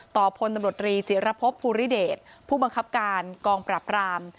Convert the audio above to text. พลตำรวจรีจิรพบภูริเดชผู้บังคับการกองปราบราม